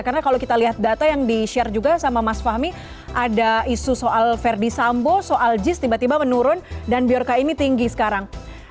karena kalau kita lihat data yang di share juga sama mas fahmi ada isu soal verdi sambo soal jis tiba tiba menurun dan biorca ini tinggi sekarang